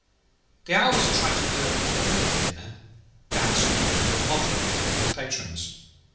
The hour was a trifle early for a London dinner, the handsome room but moderately filled with patrons.